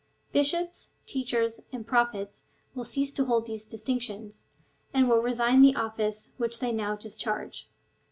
Bishops, teachers, and Prophets will cease to hold these distinctions, and will resign the office which they now discharge.